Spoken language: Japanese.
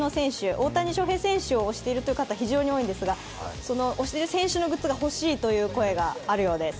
大谷翔平選手を推しているという方、非常に多いですが、推している選手のグッズが欲しいという声があるようです。